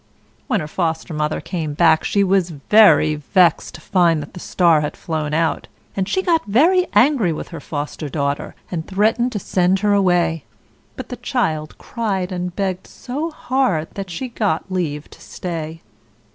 When her Foster mother came back, she was very vexed to find that the star had flown out, and she got very angry with her Foster daughter, and threatened to send her away; but the child cried and begged so hard that she got leave to stay.